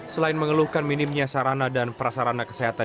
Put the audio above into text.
selain mengeluhkan minimnya sarana dan prasarana kesehatan